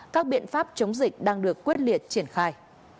các biện pháp chống dịch đang được quyết liệt triển khai